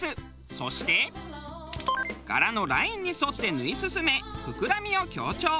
そして柄のラインに沿って縫い進め膨らみを強調。